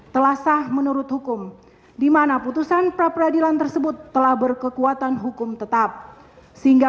telah sah menurut hukum dimana putusan pra peradilan tersebut telah berkekuatan hukum tetap sehingga